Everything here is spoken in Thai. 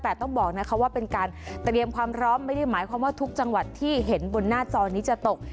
แต่ต้องบอกนะคะว่าเป็นการเตรียมความพร้อมไม่ได้หมายความว่าทุกจังหวัดที่เห็นบนหน้าจอนี้จะตก